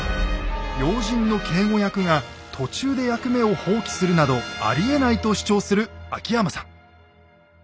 要人の警護役が途中で役目を放棄するなどありえないと主張する秋山さん。